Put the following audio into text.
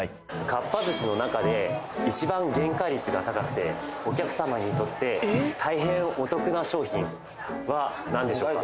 かっぱ寿司の中で一番原価率が高くてお客さまにとって大変お得な商品はなんでしょうか？